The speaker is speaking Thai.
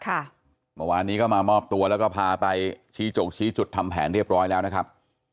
เมื่อวานนี้ก็มามอบตัวแล้วก็พาไปชี้จกชี้จุดทำแผนเรียบร้อยแล้วนะครับ